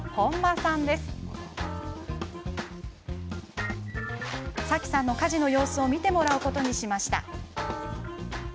さきさんの家事の様子を見てもらうことにしました。